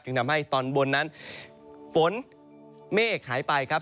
ทำให้ตอนบนนั้นฝนเมฆหายไปครับ